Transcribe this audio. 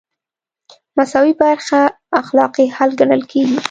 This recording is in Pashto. مساوي برخه اخلاقي حل ګڼل کیږي.